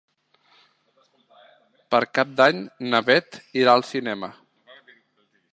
Per Cap d'Any na Beth irà al cinema.